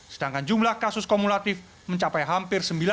sedangkan jumlah kasus kumulatif mencapai hampir